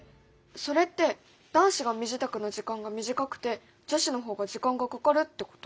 それって男子が身支度の時間が短くて女子の方が時間がかかるってこと？